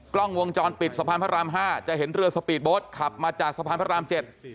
กล้องวงจรปิดสะพานพระราม๕จะเห็นเรือสปีดโบ๊ทขับมาจากสะพานพระรามเจ็ด